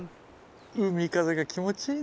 海風が気持ちいいねぇ。